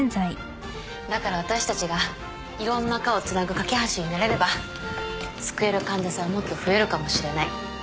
だから私たちがいろんな科をつなぐ懸け橋になれれば救える患者さんはもっと増えるかもしれない。